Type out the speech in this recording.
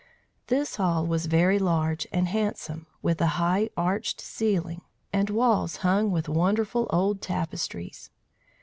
This hall was very large and handsome, with a high, arched ceiling, and walls hung with wonderful old tapestries.